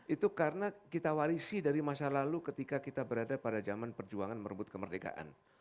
itu karena kita warisi dari masa lalu ketika kita berada pada zaman perjuangan merebut kemerdekaan